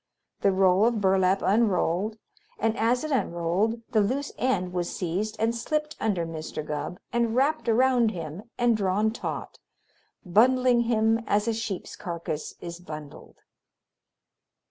The roll of burlap unrolled, and as it unrolled, the loose end was seized and slipped under Mr. Gubb and wrapped around him and drawn taut, bundling him as a sheep's carcass is bundled.